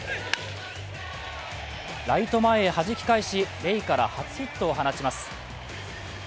ライト前にはじき返し、レイから初ヒットを放ちます。